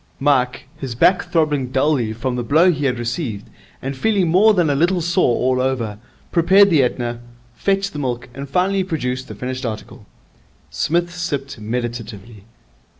Mike, his back throbbing dully from the blow he had received, and feeling more than a little sore all over, prepared the Etna, fetched the milk, and finally produced the finished article. Psmith sipped meditatively.